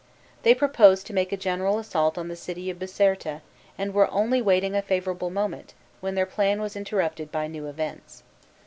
They proposed to make a general assault on the city of Biserta, and were only waiting a favorable moment, when their plan was interrupted by new events.